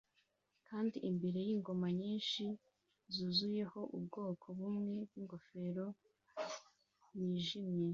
kandi imbere yingoma nyinshi zuzuyeho ubwoko bumwe bwingofero nijimye.